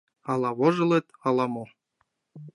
Ала вожылыт, ала мо.